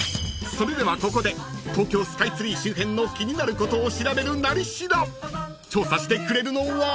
［それではここで東京スカイツリー周辺の気になることを調べる「なり調」調査してくれるのは？］